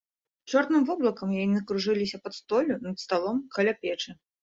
Чорным воблакам яны кружыліся пад столлю, над сталом, каля печы.